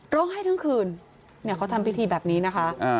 ร้องไห้ทั้งคืนเนี่ยเขาทำพิธีแบบนี้นะคะ